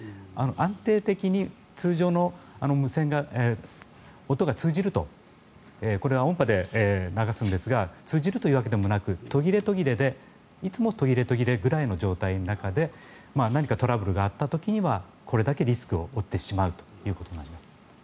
安定的に通常の無線が音が通じるとこれは音波で流すんですが通じるというわけでもなくいつも途切れ途切れぐらいの状態の中で何かトラブルがあった時にはこれだけ、リスクを負ってしまうことになります。